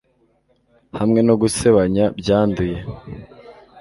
hamwe no gusebanya byanduye